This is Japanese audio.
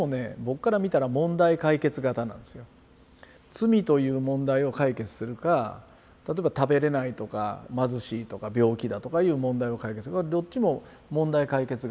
罪という問題を解決するか例えば食べれないとか貧しいとか病気だとかいう問題を解決どっちも問題解決型なんですね。